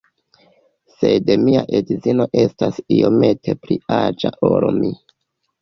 Sed mia edzino estas iomete pli aĝa ol mi